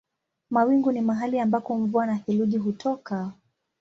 Mawingu ni mahali ambako mvua na theluji hutoka.